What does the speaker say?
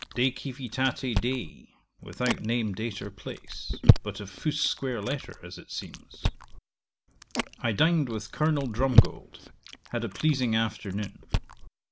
de Civitate Dei_, without name, date, or place, but of Fust's square letter as it seems. 'I dined with Col. Drumgold; had a pleasing afternoon.